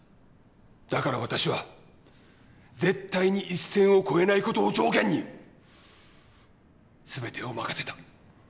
だから私は絶対に一線を越えないことを条件に全てを任せた。